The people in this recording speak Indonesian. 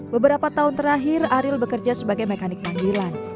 beberapa tahun terakhir ariel bekerja sebagai mekanik panggilan